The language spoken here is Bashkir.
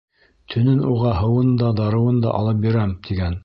Төнөн уға һыуын да, дарыуын да алып бирәм. — тигән.